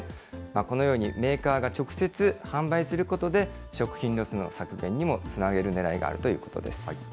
このように、メーカーが直接、販売することで、食品ロスの削減にもつなげるねらいがあるということです。